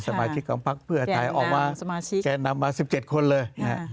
สมาชิกของพักเพื่อไทยออกมาแก่นำมา๑๗คนเลย